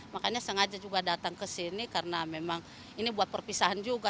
makanya sengaja juga datang ke sini karena memang ini buat perpisahan juga